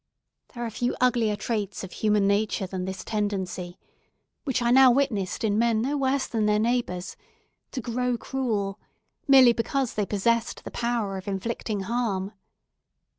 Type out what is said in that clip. There are few uglier traits of human nature than this tendency—which I now witnessed in men no worse than their neighbours—to grow cruel, merely because they possessed the power of inflicting harm.